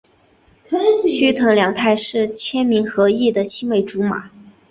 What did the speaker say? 须藤良太是千明和义的青梅竹马。